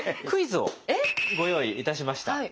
クイズをご用意いたしました。